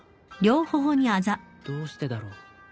どうしてだろう。